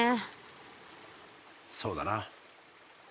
そうだな。